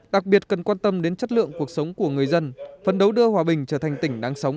đặc biệt cần quan tâm đến chất lượng cuộc sống của người dân phấn đấu đưa hòa bình trở thành tỉnh đáng sống